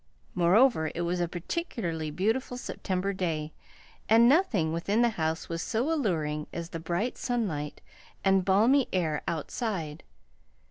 Moreover it was a particularly beautiful September day, and nothing within the house was so alluring as the bright sunlight and balmy air outside.